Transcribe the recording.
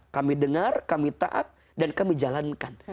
kami dengar kami taat dan kami jalankan